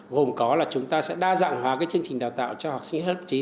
gồm có là chúng ta sẽ đa dạng hóa chương trình đào tạo cho học sinh lớp chín